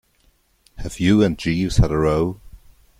Have you and Jeeves had a row?